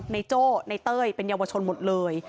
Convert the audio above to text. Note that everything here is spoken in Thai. โจ้ในเต้ยเป็นเยาวชนหมดเลย